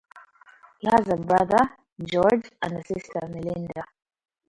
He has a brother, George, and a sister, Melinda.